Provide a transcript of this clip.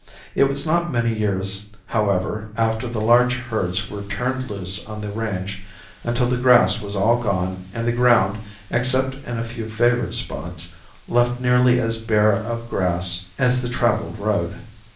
It was not many years, however, after the large herds were turned loose on the range until the grass was all gone and the ground, except in a few favored spots, left nearly as bare of grass as the traveled road.